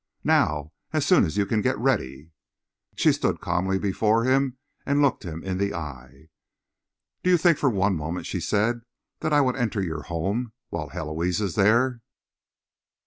"Now. As soon as you can get ready." She stood calmly before him and looked him in the eye. "Do you think for one moment," she said, "that I would enter your home while Héloise is there?"